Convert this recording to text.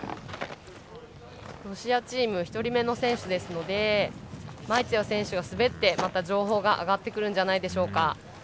ロシアチーム１人目の選手ですのでマイツェワ選手が滑って、情報が上がってくるんじゃないでしょうか。